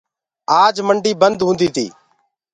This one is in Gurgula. آج منڊي بند هوندي تي۔